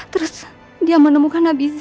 terus dia menemukan abiza